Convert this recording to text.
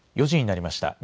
４時になりました。